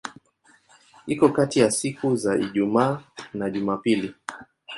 Iko kati ya siku za Ijumaa na Jumapili.